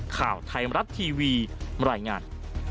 ข่าวไทยมรัฐทีวีบรรยายงาน